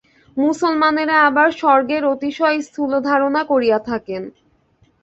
মুসলমানেরা আবার স্বর্গের অতিশয় স্থূল ধারণা করিয়া থাকেন।